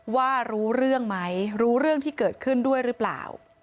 ว่ารู้เรื่องไหมรู้เรื่องที่เกิดขึ้นด้วยหรือเปล่า